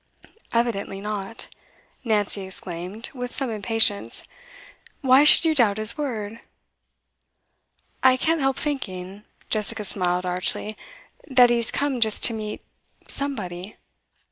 'Evidently not!' Nancy exclaimed, with some impatience. 'Why should you doubt his word?' 'I can't help thinking' Jessica smiled archly 'that he has come just to meet somebody.